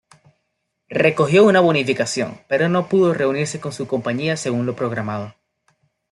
Recogió una bonificación pero no pudo reunirse con su compañía según lo programado.